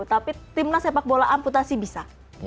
tapi timnas sepak bola amputasi bisa